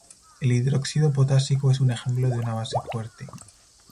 El hidróxido potásico es un ejemplo de una base fuerte.